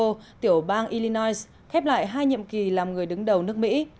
bài phát biểu bang illinois khép lại hai nhiệm kỳ làm người đứng đầu nước mỹ